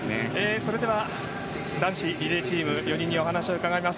それでは男子リレーチーム４人にお話を伺います。